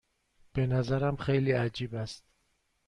به نظرم خیلی عجیب است.